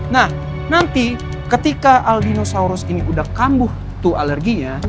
nah nanti ketika aldinosaurus ini udah kambuh tuh alerginya